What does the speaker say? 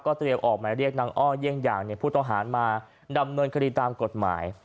เตรียมออกหมายเรียกนางอ้อเยี่ยงอย่างผู้ต้องหามาดำเนินคดีตามกฎหมาย